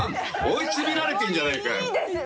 追い詰められてるじゃないかよ！